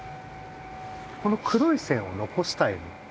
この黒い線を残したいの。